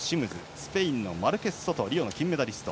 スペインのマルケスソトリオの金メダリスト。